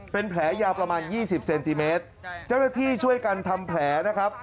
เป็นแผลยาวประมาณยี่สิบเซนติเมตรเจ้าหน้าที่ช่วยกันทำแผลนะครับ